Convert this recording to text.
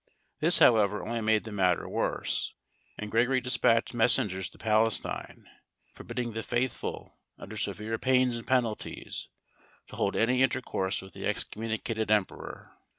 This, however, only made the matter worse, and Gregory despatched messengers to Palestine forbidding the faithful, under severe pains and penalties, to hold any intercourse with the excommunicated emperor.